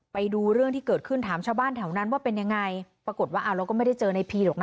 ไปดูเรื่องที่เกิดขึ้นถามชาวบ้านแถวนั้นว่าเป็นยังไงปรากฏว่าเราก็ไม่ได้เจอในพีหรอกนะ